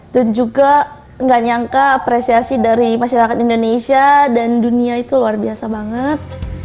dan juga gak nyangka apresiasi dari masyarakat indonesia dan dunia itu luar biasa banget